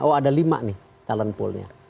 oh ada lima nih talent poolnya